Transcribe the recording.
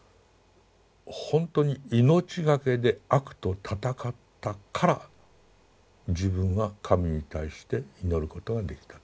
ほんとに命懸けで悪と闘ったから自分は神に対して祈ることができたと。